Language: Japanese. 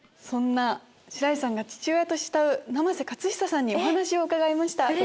そんな白石さんが父親と慕う生瀬勝久さんにお話を伺いました。